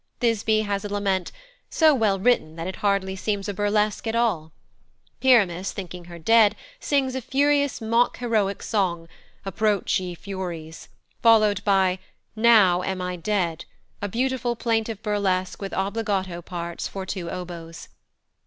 Thisbe has a lament, so well written that it hardly seems a burlesque at all. Pyramus, thinking her dead, sings a furious mock heroic song, "Approach, ye furies," followed by "Now am I dead," a beautiful plaintive burlesque with obbligato parts for two oboes.